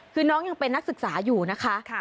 คือน้องยังเป็นนักศึกษาอยู่นะคะ